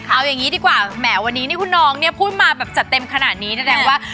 เอาอย่างนี้ดีกว่าแหมวีดวานี้คุณน้องพูดมาแบบจากเต็มขนาดนี้แน่ว่า